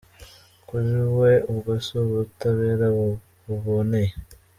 Kuri we ubwo si ubutabera buboneye.